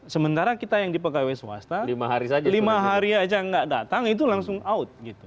sementara kita yang di pkw swasta lima hari saja tidak datang itu langsung out